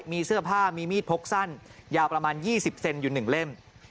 มีเสื้อผ้ามีมีดพกสั้นยาวประมาณ๒๐เซนติเมตรอยู่หนึ่งเล่ม